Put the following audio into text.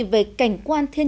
về cảnh quan thiết